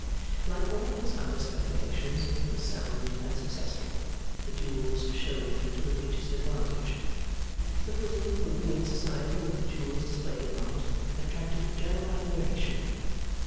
Like all his other speculations, it was sound and successful. The jewels showed to the richest advantage. The bosom moving in Society with the jewels displayed upon it, attracted general admiration.